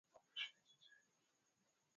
Maradona alifunga magoli thelathini na nne kwa